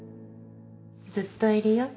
ずっといるよ